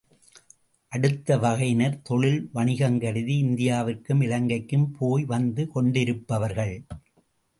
அடுத்த வகையினர் தொழில் வாணிகம் கருதி இந்தியாவிற்கும் இலங்கைக்கும் போய் வந்து கொண்டிருப்பவர்கள்.